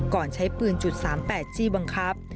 ก่อนใช้ปืนจุด๓๘จีบังคับ